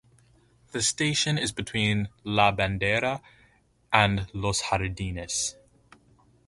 The station is between La Bandera and Los Jardines.